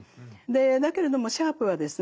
だけれどもシャープはですね